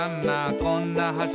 こんな橋」